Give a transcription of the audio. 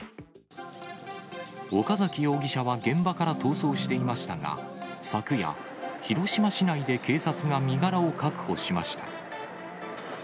岡崎容疑者は現場から逃走していましたが、昨夜、広島市内で警察が身柄を確保しました。